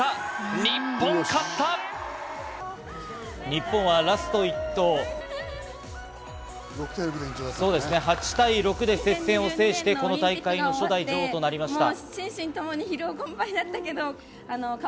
日本はラスト１投、８対６で接戦を制して、この大会の初代女王となりました。